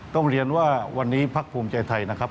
ก็เรียนว่าวันนี้ภักดิ์ภูมิใจไทยนะครับ